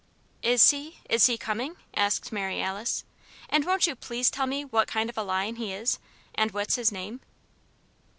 "Is he is he coming?" asked Mary Alice, "and won't you please tell me what kind of a lion he is, and what's his name?"